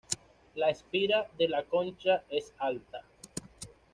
La espira de la concha es alta.